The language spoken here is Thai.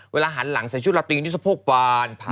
หันหลังใส่ชุดลาตีนที่สะโพกวาน